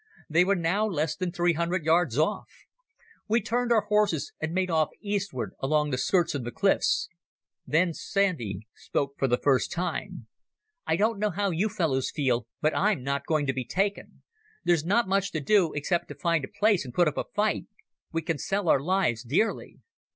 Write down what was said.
They were now less than three hundred yards off. We turned our horses and made off east ward along the skirts of the cliffs. Then Sandy spoke for the first time. "I don't know how you fellows feel, but I'm not going to be taken. There's nothing much to do except to find a place and put up a fight. We can sell our lives dearly."